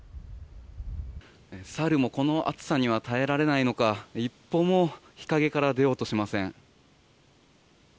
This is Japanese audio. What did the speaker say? サルも、この暑さには耐えられないのか一歩も日陰から出ようとしません。